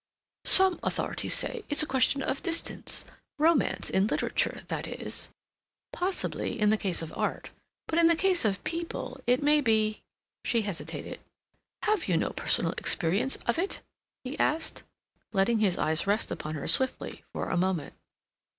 "Some authorities say it's a question of distance—romance in literature, that is—" "Possibly, in the case of art. But in the case of people it may be—" she hesitated. "Have you no personal experience of it?" he asked, letting his eyes rest upon her swiftly for a moment.